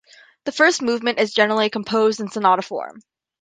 The first movement is generally composed in sonata form.